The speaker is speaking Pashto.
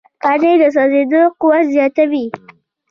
پنېر د سوځېدو قوت زیاتوي.